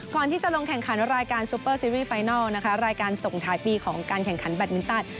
ก่อนที่จะลงแข่งขันรายการซูเปอร์ซีรีสไฟนัลนะคะรายการส่งท้ายปีของการแข่งขันแบตมินตัน